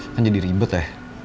kan jadi ribet ya